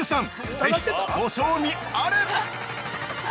ぜひ、ご賞味あれ！！